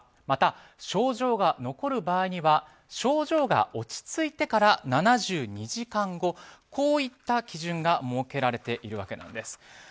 また症状が残る場合には症状が落ち着いてから７２時間後、こういった基準が設けられているわけなんです。